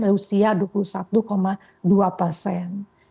usia dua puluh satu dua persen